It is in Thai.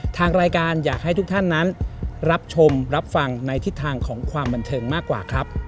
ทางรายการอยากให้ทุกท่านนั้นรับชมรับฟังในทิศทางของความบันเทิงมากกว่าครับ